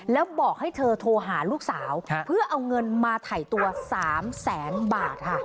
แล้วบอกให้เธอโทรหาลูกสาวเพื่อเอาเงินมาถ่ายตัว๓แสนบาทค่ะ